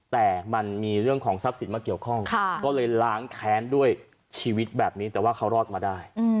แต่มันมีเรื่องของทรัพย์สินมาเกี่ยวข้องก็เลยล้างแค้นด้วยชีวิตแบบนี้แต่ว่าเขารอดมาได้